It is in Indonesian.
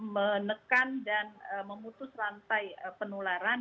menekan dan memutus rantai penularan